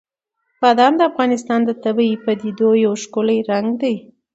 بادام د افغانستان د طبیعي پدیدو یو ښکلی رنګ دی.